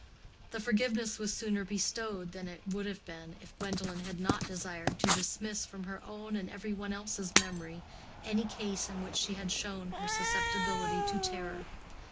The forgiveness was sooner bestowed than it would have been if Gwendolen had not desired to dismiss from her own and every one else's memory any case in which she had shown her susceptibility to terror.